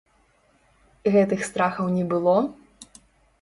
Гэтых страхаў не было?